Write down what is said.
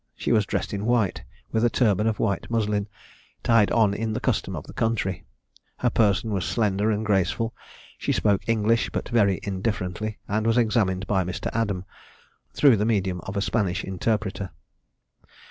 She was dressed in white, with a turban of white muslin, tied on in the custom of the country. Her person was slender and graceful. She spoke English but very indifferently; and was examined by Mr. Adam, through the medium of a Spanish interpreter.